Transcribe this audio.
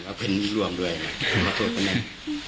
ไม่รู้จริงว่าเกิดอะไรขึ้น